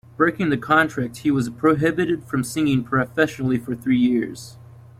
Breaking the contract, he was prohibited from singing professionally for three years.